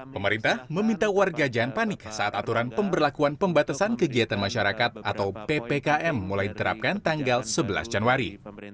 pemerintah meminta warga jangan panik saat aturan pemberlakuan pembatasan kegiatan masyarakat atau ppkm mulai diterapkan tanggal sebelas januari